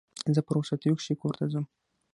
زه په رخصتیو کښي کور ته ځم.